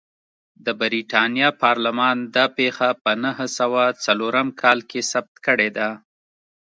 د برېټانیا پارلمان دا پېښه په نهه سوه څلورم کال کې ثبت کړې ده.